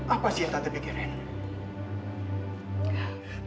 apa sih yang tante pikirin